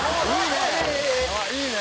「いいね！」